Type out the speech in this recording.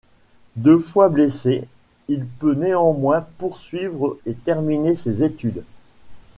Deux fois blessé, il peut néanmoins poursuivre et terminer ses études.